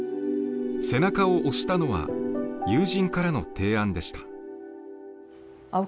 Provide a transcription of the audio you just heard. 背中を押したのは友人からの提案でした。